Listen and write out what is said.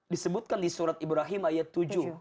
disebutkan di surat ibrahim ayat tujuh